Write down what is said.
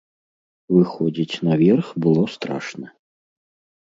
Выходзіць на верх было страшна.